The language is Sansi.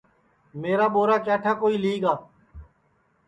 میرا ٻورا کیا ٹھا کوئی لی گا